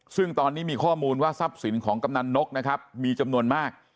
ซึ่งตอนนี้มีข้อมูลว่าทรัพย์สินของกำนันนกนะครับมีจำนวนมาก